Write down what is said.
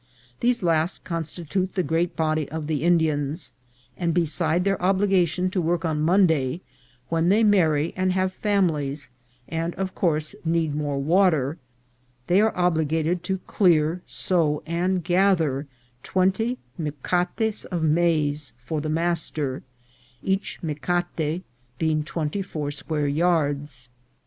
These last constitute the great body of the Indians ; and, besides their obligation to work on Mon day, when they marry and have families, and, of course, need more water, they are obliged to clear, sow, and gather twenty micates of maize for the master, each DETAILS OF HACIENDA LIFE. 415 micate being twenty four square yards.